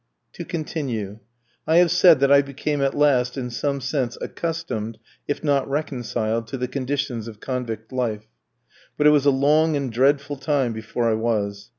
To continue. I have said that I became at last, in some sense, accustomed, if not reconciled, to the conditions of convict life; but it was a long and dreadful time before I was.